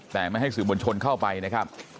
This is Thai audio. แต่ไม่ให้สื่อมวลชนเข้าไปนะครับ